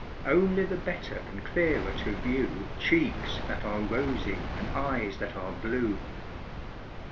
Only the better and clearer to view Cheeks that are rosy and eyes that are blue.